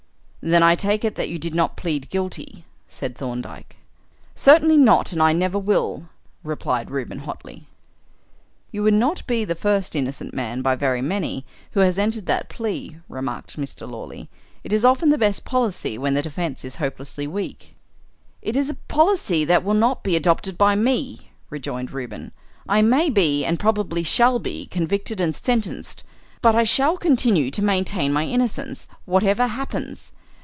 "Then I take it that you did not plead 'guilty'?" said Thorndyke. "Certainly not; and I never will," replied Reuben hotly. "You would not be the first innocent man, by very many, who has entered that plea," remarked Mr. Lawley. "It is often the best policy, when the defence is hopelessly weak." "It is a policy that will not be adopted by me," rejoined Reuben. "I may be, and probably shall be, convicted and sentenced, but I shall continue to maintain my innocence, whatever happens.